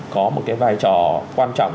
có một cái vai trò quan trọng